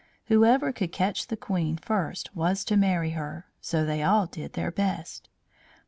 Whoever could catch the Queen first was to marry her, so they all did their best.